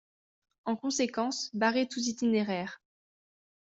En conséquence, barrer tous itinéraires.